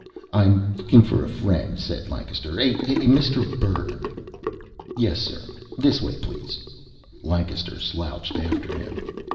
"I'm looking for a friend," said Lancaster. "A Mr. Berg." "Yes, sir. This way, please." Lancaster slouched after him.